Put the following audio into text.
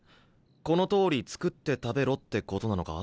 このとおり作って食べろってことなのか？